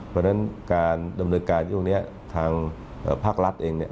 เพราะฉะนั้นการดำเนินการช่วงนี้ทางภาครัฐเองเนี่ย